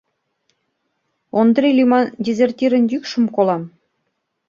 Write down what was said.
— Ондри лӱман дезертирын йӱкшым колам.